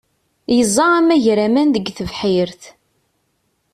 Yeẓẓa amagraman deg tebḥirt.